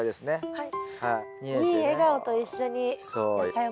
はい。